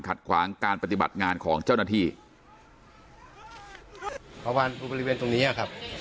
ขวางการปฏิบัติงานของเจ้าหน้าที่เพราะว่าบริเวณตรงเนี้ยครับ